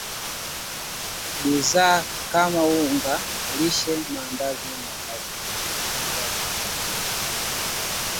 Bidhaa kama unga lishe maandazi NK